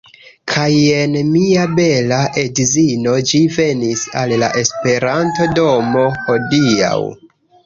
Kaj jen mia bela edzino, ĝi venis al la Esperanto-domo hodiaŭ.